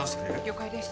了解です